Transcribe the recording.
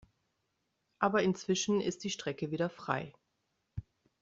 Aber inzwischen ist die Strecke wieder frei.